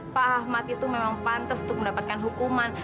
pak ahmad itu memang pantas untuk mendapatkan hukuman